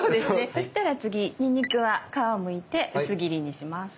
そしたら次にんにくは皮をむいて薄切りにします。